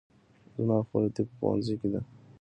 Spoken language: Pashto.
زما خور د طب په پوهنځي کې ده